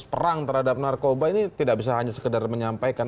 perang terhadap narkoba ini tidak bisa hanya sekedar menyampaikan